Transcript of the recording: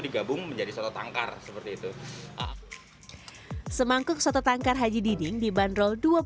digabung menjadi soto tangkar seperti itu semangkuk soto tangkar haji diding dibanderol